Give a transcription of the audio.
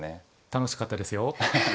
楽しかったですよ。